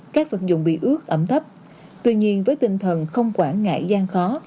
các vật dụng bị ướt ẩm thấp tuy nhiên với tinh thần không quản ngại gian khó